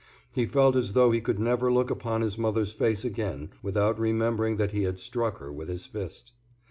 He felt as though he could never look upon his mother's face again without remembering that he had struck her with his fist.